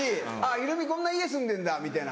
「ヒロミこんな家住んでんだ」みたいな。